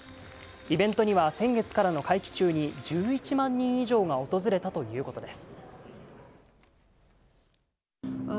イベントには先月からの会期中に１１万人以上が訪れたということです。